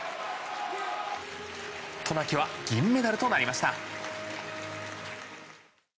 渡名喜は銀メダルとなりました。